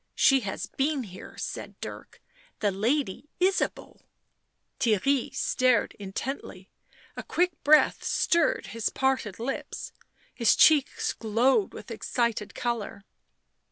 " She has been here," said Dirk. " The Lady Ysabeau." Theirry stared intently ; a quick breath stirred his parted lips; his cheeks glowed with excited colour.